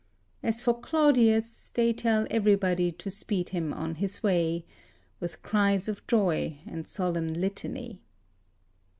As for Claudius, they tell everybody to speed him on his way With cries of joy and solemn litany.